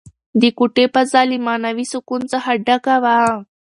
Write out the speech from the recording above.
د کوټې فضا له معنوي سکون څخه ډکه وه.